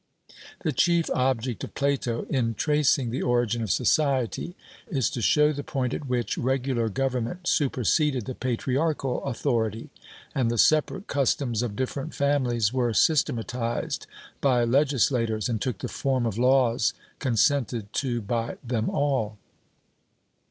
The chief object of Plato in tracing the origin of society is to show the point at which regular government superseded the patriarchical authority, and the separate customs of different families were systematized by legislators, and took the form of laws consented to by them all.